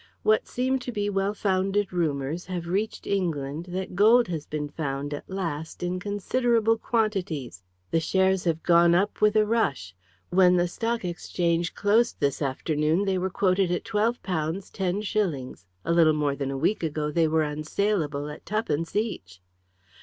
What seem to be well founded rumours have reached England that gold has been found at last in considerable quantities. The shares have gone up with a rush. When the Stock Exchange closed this afternoon they were quoted at £12 10s. A little more than a week ago they were unsaleable at twopence each."